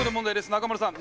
中丸さん